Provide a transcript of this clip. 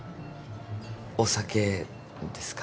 お酒ですか。